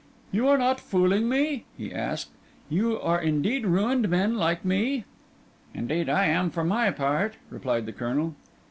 "You are not fooling me?" he asked. "You are indeed ruined men like me?" "Indeed, I am for my part," replied the Colonel.